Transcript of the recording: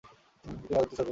তিনি রাজনীতি সচেতন ছিলেন।